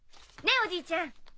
ねぇおじいちゃん。